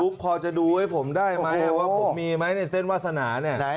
พอจะดูให้ผมได้ไหมว่าผมมีไหมในเส้นวาสนาเนี่ย